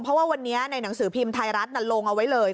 เพราะว่าวันนี้ในหนังสือพิมพ์ไทยรัฐลงเอาไว้เลย